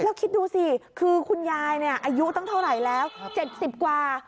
แล้วคิดดูสิคือคุณยายอายุตั้งเท่าไหร่แล้ว๗๐กว่า